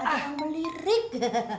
katanya ada yang melirik